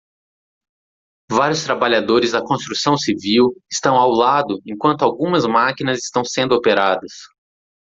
Vários trabalhadores da construção civil estão ao lado enquanto algumas máquinas estão sendo operadas.